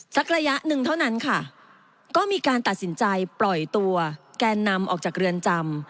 ระยะหนึ่งเท่านั้นค่ะก็มีการตัดสินใจปล่อยตัวแกนนำออกจากเรือนจำ